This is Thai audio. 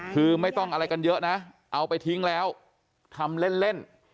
คือไม่ต้องอะไรกันเยอะนะเอาไปทิ้งแล้วทำเล่นเล่น